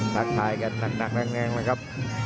ขับท้ายกันหนักนะครับ